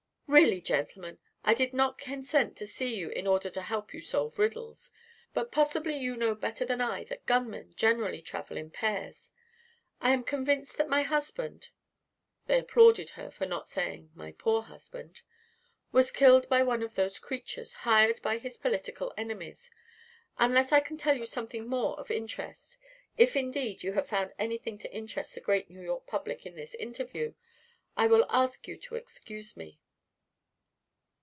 "Really, gentlemen, I did not consent to see you in order to help you solve riddles. But possibly you know better than I that gunmen generally travel in pairs. I am convinced that my husband " (they applauded her for not saying "my poor husband") "was killed by one of those creatures, hired by his political enemies. Unless I can tell you something more of interest if, indeed, you have found anything to interest the great New York public in this interview I will ask you to excuse me."